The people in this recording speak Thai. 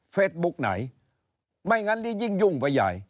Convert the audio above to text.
บุ๊กไหนไม่งั้นนี่ยิ่งยุ่งไปใหญ่